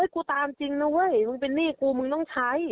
กูตามจริงนะเว้ยมึงเป็นหนี้กูมึงต้องใช้